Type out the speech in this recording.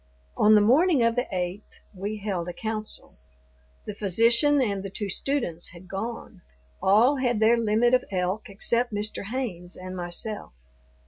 On the morning of the eighth we held a council. The physician and the two students had gone. All had their limit of elk except Mr. Haynes and myself.